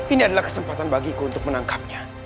ini adalah kesempatan bagiku untuk menangkapnya